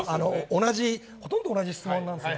ほとんど同じ質問なんですよ。